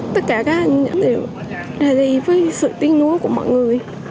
tất cả các anh đều ra đi với sự tinh núi của mọi người